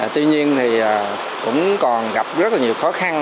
tuy nhiên thì cũng còn gặp rất là nhiều khó khăn